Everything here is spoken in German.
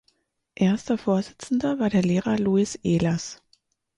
Erster Vorsitzender war der Lehrer Louis Ehlers.